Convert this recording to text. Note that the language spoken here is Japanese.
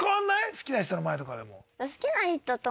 好きな人の前とかでも。